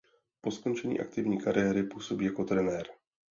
Po skončení aktivní kariéry působí jako trenér.